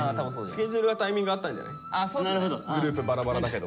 スケジュールがタイミング合ったんじゃない？